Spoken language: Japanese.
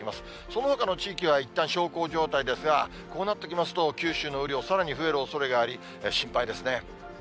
そのほかの地域はいったん小康状態ですが、こうなってきますと、九州の雨量、さらに増えるおそれがあり、心配ですね。